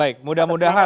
saya kira itu saja